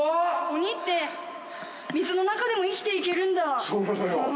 鬼って水の中でも生きていけるんだそうなのよ